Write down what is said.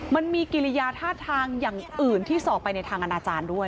มันมีกิริยาท่าทางอย่างอื่นที่สอบไปในทางอนาจารย์ด้วย